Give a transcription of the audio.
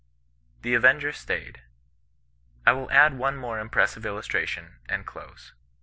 THE AVENGBB STAYED. I will add one more impressive iUustration, and close.